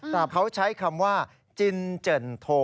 แต่เขาใช้คำว่าจินเจิ่นโท